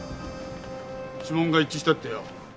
指紋が一致したってよ。